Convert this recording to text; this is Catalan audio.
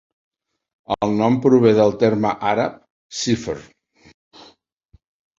El nom prové del terme àrab "cifr".